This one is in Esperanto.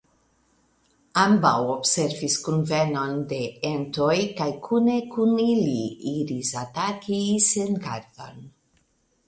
Ambaŭ observis kunvenon de entoj kaj kune kun ili iris ataki Isengardon.